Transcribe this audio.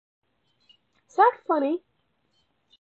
Is that funny?